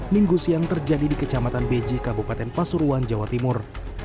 minggu siang terjadi di kecamatan beji kabupaten pasuruan jawa timur